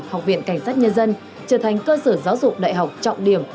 học viện cảnh sát nhân dân trở thành cơ sở giáo dục đại học trọng điểm